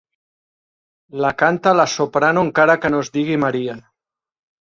La canta la soprano encara que no es digui Maria.